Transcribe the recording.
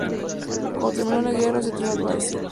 Cuando terminó la guerra, se trasladó a St.